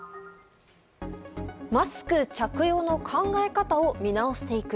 マスク着用の考え方を見直していく。